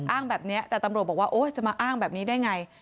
อ้างแบบนี้แต่ตำรวจบอกว่าโอ๊ยจะมาอ้างแบบนี้ได้ไง